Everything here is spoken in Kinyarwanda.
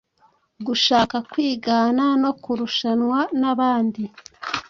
gushaka kwigana no kurushanwa n’abandi